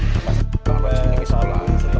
setelah terlalu besar oleh penduduk bprd